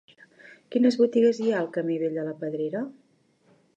Quines botigues hi ha al camí Vell de la Pedrera?